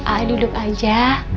a'a duduk aja